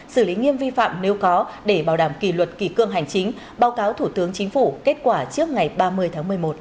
xử lý nghiêm vi phạm nếu có để bảo đảm kỳ luật kỳ cương hành chính báo cáo thủ tướng chính phủ kết quả trước ngày ba mươi tháng một mươi một